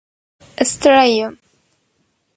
ستړی یم